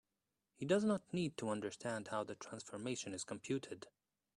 He does not need to understand how the transformation is computed.